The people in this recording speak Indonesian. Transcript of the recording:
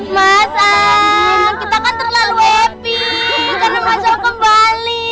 masang kita kan terlalu epic karena masang kembali